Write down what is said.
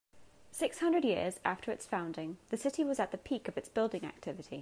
Six hundred years after its founding, the city was at the peak of its building activity.